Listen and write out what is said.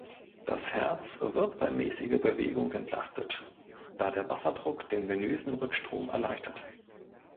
Das Herz wird bei mäßiger Bewegung entlastet, da der Wasserdruck den venösen Rückstrom erleichtert.